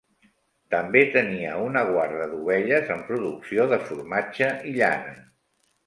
També tenia una guarda d'ovelles amb producció de formatge i llana.